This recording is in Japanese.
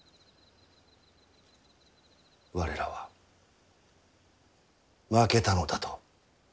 我らは負けたのだと。